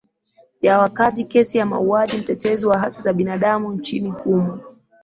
ya wakati kesi ya mauaji mtetezi wa haki za binadamu nchini humo